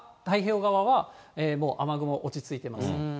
今は太平洋側は、もう雨雲、落ち着いてます。